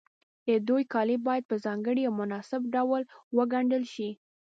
د دوی کالي باید په ځانګړي او مناسب ډول وګنډل شي.